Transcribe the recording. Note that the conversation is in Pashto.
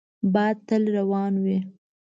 باد تل روان وي